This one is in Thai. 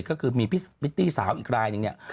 ก็คือมีพี่ตี้สาวอีกรายหนึ่งนี่